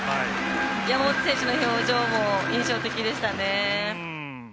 山本選手の表情も印象的でしたね。